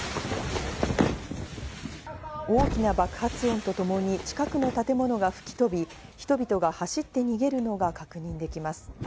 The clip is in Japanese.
大きな爆発音とともに近くの建物が吹き飛び、人々が走って逃げるのが確認できます。